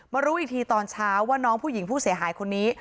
รู้อีกทีตอนเช้าว่าน้องผู้หญิงผู้เสียหายคนนี้